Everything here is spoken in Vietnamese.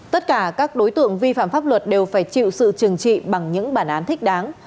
tất cả các đối tượng vi phạm pháp luật đều phải chịu sự trừng trị bằng những bản án thích đáng